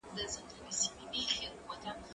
زه به سبا پوښتنه کوم،